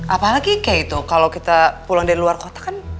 apalagi kei tuh kalo kita pulang dari luar kota kan